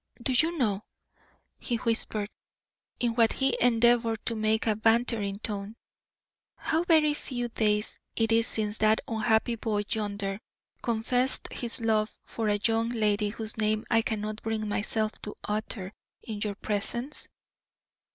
"Do you know," he whispered, in what he endeavoured to make a bantering tone, "how very few days it is since that unhappy boy yonder confessed his love for a young lady whose name I cannot bring myself to utter in your presence?"